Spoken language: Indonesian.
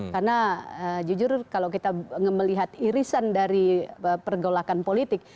karena jujur kalau kita melihat irisan dari pergaulakan politik